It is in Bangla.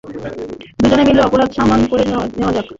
দুজনে মিলে অপরাধ সমান করে নেওয়া যাক।